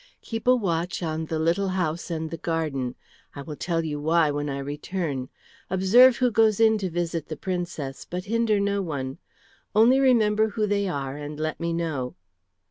"Keep a watch on the little house and the garden. I will tell you why when I return. Observe who goes in to visit the Princess, but hinder no one. Only remember who they are and let me know."